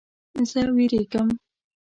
زه ویریږم